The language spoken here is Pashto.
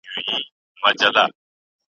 ساقي را غئ خمار سر سو